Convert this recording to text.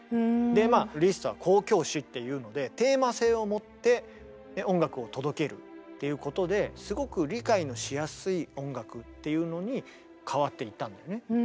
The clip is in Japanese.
でまあリストは交響詩っていうのでっていうことですごく理解のしやすい音楽っていうのに変わっていったんだよね。